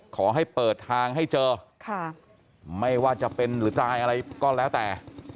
ขอให้เปิดทางให้เจอค่ะไม่ว่าจะเป็นหรือตายอะไรก็แล้วแต่